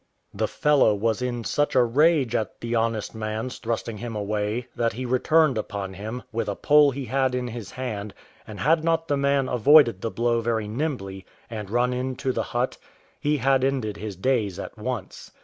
The fellow was in such a rage at the honest man's thrusting him away, that he returned upon him, with a pole he had in his hand, and had not the man avoided the blow very nimbly, and run into the hut, he had ended his days at once.